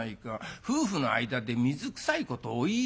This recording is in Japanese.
夫婦の間で水くさいことをお言いでないよ」。